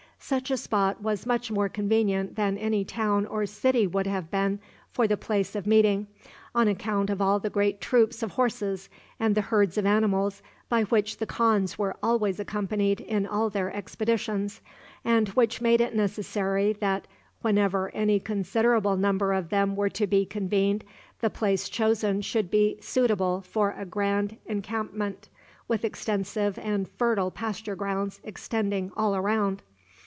Such a spot was much more convenient than any town or city would have been for the place of meeting, on account of the great troops of horses and the herds of animals by which the khans were always accompanied in all their expeditions, and which made it necessary that, whenever any considerable number of them were to be convened, the place chosen should be suitable for a grand encampment, with extensive and fertile pasture grounds extending all around.